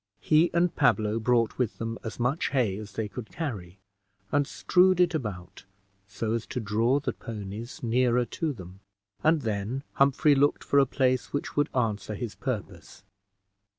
He and Pablo brought with them as much hay as they could carry, and strewed it about, so as to draw the ponies nearer to them, and then Humphrey looked for a place which would answer his purpose.